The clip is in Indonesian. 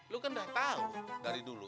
lu kan udah tahu dari dulu